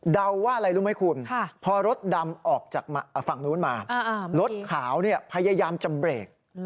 ว่าอะไรรู้ไหมคุณพอรถดำออกจากฝั่งนู้นมารถขาวพยายามจะเบรก